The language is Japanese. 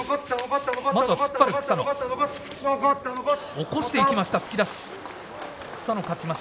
起こしていきました突き出し。